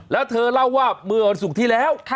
แล้วเธอเล่าว่าเมื่อวันศุกร์ที่แล้ว